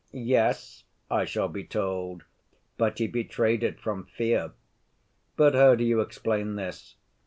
'Yes,' I shall be told, 'but he betrayed it from fear.' But how do you explain this?